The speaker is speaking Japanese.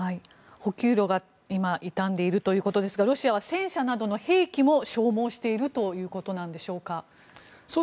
補給路が今、傷んでいるということですがロシアは戦車などの兵器も消耗しているということでしょうか？